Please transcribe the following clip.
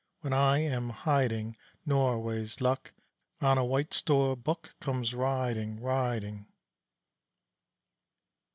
When I am hiding Norway's luck On a White Storbuk Comes riding, riding.